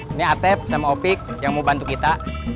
ini ateb sama opik yang mau bantu kita